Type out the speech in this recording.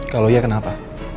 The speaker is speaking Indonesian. kalau iya kenapa